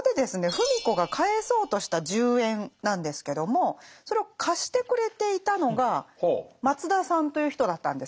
芙美子が返そうとした十円なんですけどもそれを貸してくれていたのが松田さんという人だったんですね。